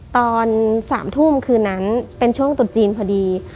ตอน๓ทุ่มคืนนั้นเป็นช่วงตุดจีนพอดี